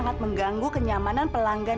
kok mukanya murung kak